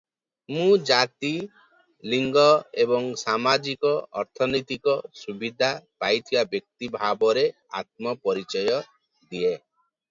ମୁଁ ଜାତି, ଲିଙ୍ଗ ଏବଂ ସାମାଜିକ-ଅର୍ଥନୈତିକ ସୁବିଧା ପାଇଥିବା ବ୍ୟକ୍ତି ଭାବରେ ଆତ୍ମପରିଚୟ ଦିଏ ।